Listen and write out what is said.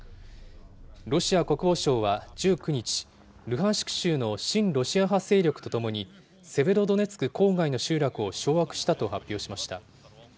ロシア国防省は１９日、ルハンシク州の親ロシア派勢力とともに、セベロドネツク郊外の集落を掌握したと発表しました。